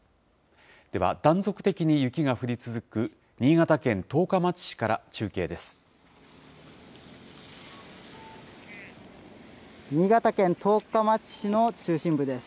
では、断続的に雪が降り続く、新潟県十日町市から中継です。